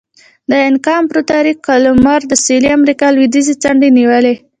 د اینکا امپراتورۍ قلمرو د سویلي امریکا لوېدیځې څنډې نیولې.